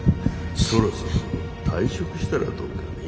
そろそろ退職したらどうかね。